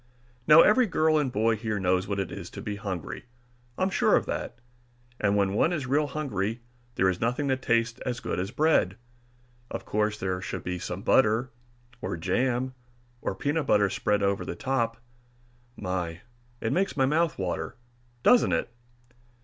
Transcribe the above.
Now every girl and boy here knows what it is to be hungry, I'm sure of that. And when one is real hungry there is nothing that tastes as good as bread. Of course there should be some butter, or jam, or peanut butter spread over the top my, it makes the mouth water, doesn't it!